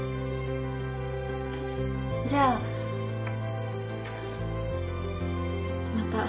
じゃあまた。